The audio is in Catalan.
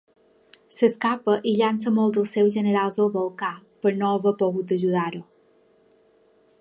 S'escapa i llança a molts dels seus generals al volcà per no haver pogut ajudar-ho.